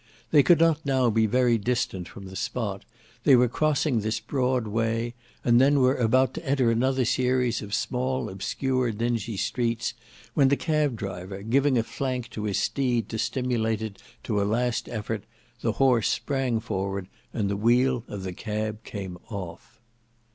They could not now he very distant from the spot; they were crossing this broad way, and then were about to enter another series of small obscure dingy streets, when the cab driver giving a flank to his steed to stimulate it to a last effort, the horse sprang forward, and the wheel of the cab came off.